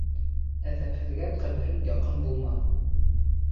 Әҙәпһеҙгә ҡәберең яҡын булмаһын.